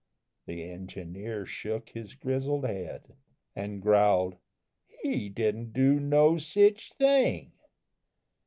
The engineer shook his grizzled head, And growled: "He didn't do no sich thing.